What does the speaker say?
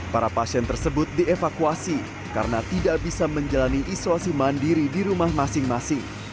para pasien tersebut dievakuasi karena tidak bisa menjalani isolasi mandiri di rumah masing masing